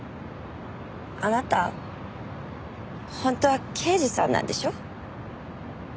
あなた本当は刑事さんなんでしょ？